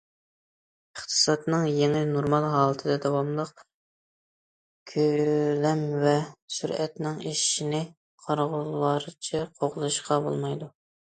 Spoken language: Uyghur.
ئىقتىسادنىڭ يېڭى نورمال ھالىتىدە داۋاملىق كۆلەم ۋە سۈرئەتنىڭ ئېشىشىنى قارىغۇلارچە قوغلىشىشقا بولمايدۇ.